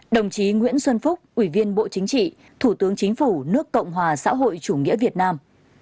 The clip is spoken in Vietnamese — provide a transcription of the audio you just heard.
đồng chí nguyễn xuân phúc ủy viên bộ chính trị thủ tướng chính phủ nước cộng hòa xã hội chủ nghĩa việt nam